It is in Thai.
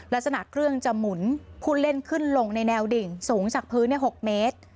ลักษณะเครื่องจะหมุนผู้เล่นขึ้นลงในแนวดิ่งสูงจากพื้น๖เมตร